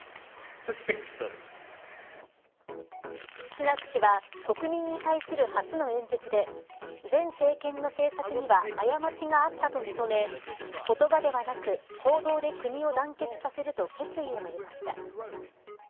スナク氏は国民に対する初の演説で前政権の政策には過ちがあったと認め言葉ではなく行動で国を団結させると決意を述べました。